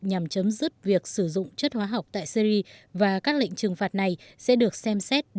nhằm chấm dứt việc sử dụng chất hóa học tại syri và các lệnh trừng phạt này sẽ được xem xét để có hiệu quả tối đa nhất